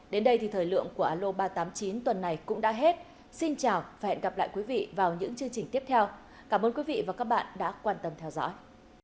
đến đây thì thời lượng của alo ba trăm tám mươi chín tuần này cũng đã hết xin chào và hẹn gặp lại quý vị vào những chương trình tiếp theo cảm ơn quý vị và các bạn đã quan tâm theo dõi